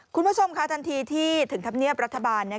คุณผู้ชมค่ะทันทีที่ถึงธรรมเนียบรัฐบาล